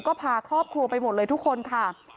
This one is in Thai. ก็พาครอบครัวไปหมดเลยทุกคนค่ะ